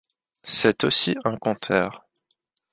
C'est aussi un conteur.